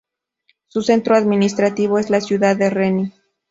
Su centro administrativo es la ciudad de Reni.